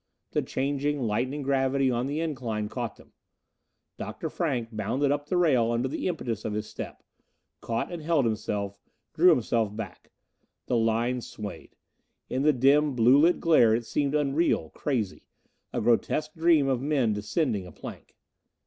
The changing, lightening gravity on the incline caught them. Dr. Frank bounded up to the rail under the impetus of his step: caught and held himself, drew himself back. The line swayed. In the dim, blue lit glare it seemed unreal, crazy. A grotesque dream of men descending a plank.